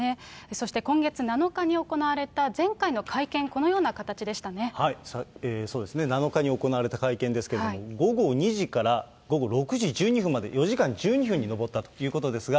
そして今月７日に行われた前回の会見、そうですね、７日に行われた会見ですけれども、午後２時から午後６時１２分まで、４時間１２分に上ったということですが、